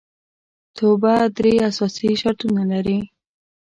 توبه درې اساسي شرطونه لري